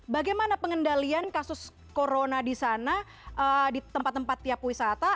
bagaimana pengendalian kasus corona di sana di tempat tempat tiap wisata